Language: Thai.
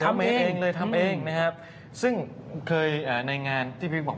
ทำเองเลยทำเองนะครับซึ่งเคยในงานที่พี่บอก